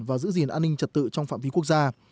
và giữ gìn an ninh trật tự trong phạm vi quốc gia